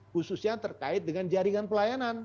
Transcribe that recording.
khususnya terkait dengan jaringan pelayanan